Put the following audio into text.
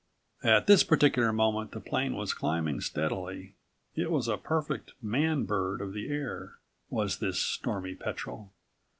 139 At this particular moment the plane was climbing steadily. It was a perfect "man bird" of the air, was this Stormy Petrel.